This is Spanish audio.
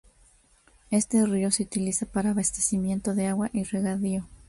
Este río se utiliza para abastecimiento de agua y regadío.